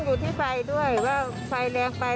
อยู่ที่ไฟด้วยว่าไฟแรงไป